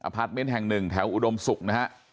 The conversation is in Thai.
พาร์ทเมนต์แห่งหนึ่งแถวอุดมศุกร์นะฮะ